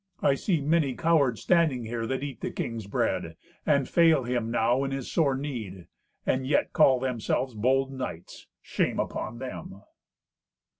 I see many cowards standing here that eat the king's bread, and fail him now in his sore need, and yet call themselves bold knights. Shame upon them!"